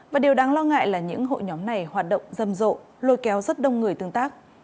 và điều đáng lo ngại là những hội nhóm này hoạt động dâm rộ lôi kéo rất đông người tương tác